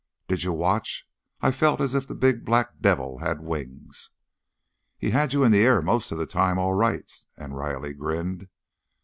Did you watch? I felt as if the big black devil had wings." "He had you in the air most of the time, all right," and Riley grinned.